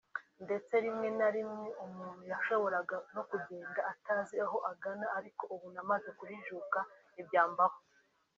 ndetse rimwe na rimwe umuntu yashoboraga no kugenda atazi aho agana ariko ubu namaze kujijuka ntibyambaho